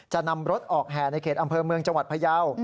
จะนำรถออกแห่ในเขตอำเภอเมืองจังหวัดพยาว